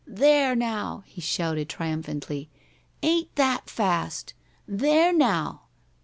"There, now!" he shouted, triumphantly. "Ain't that fast? There, now!"